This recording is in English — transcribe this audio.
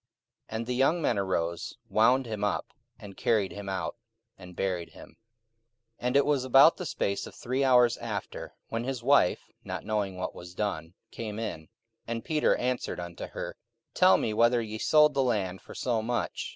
44:005:006 And the young men arose, wound him up, and carried him out, and buried him. 44:005:007 And it was about the space of three hours after, when his wife, not knowing what was done, came in. 44:005:008 And Peter answered unto her, Tell me whether ye sold the land for so much?